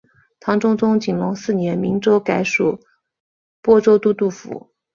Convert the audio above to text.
唐中宗景龙四年明州改属播州都督府。